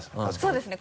そうですね